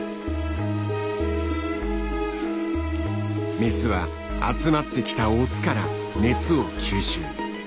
メスは集まってきたオスから熱を吸収。